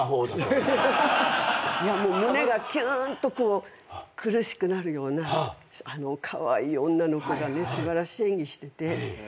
いやもう胸がキューンと苦しくなるようなカワイイ女の子がね素晴らしい演技してて。